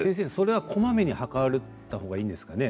こまめに測ったほうがいいですか？